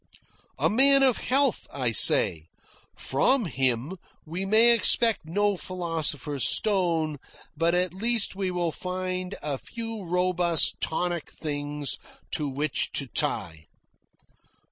"A man of health," I say. "From him we may expect no philosopher's stone, but at least we will find a few robust tonic things to which to tie."